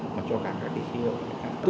mà cho cả các cái khí lượng khác